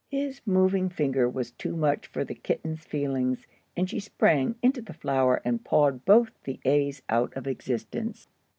His moving finger was too much for the kitten's feelings, and she sprang into the flour and pawed both the A's out of existence.